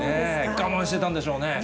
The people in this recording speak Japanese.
我慢してたんでしょうね。